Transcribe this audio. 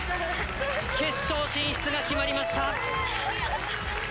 決勝進出が決まりました。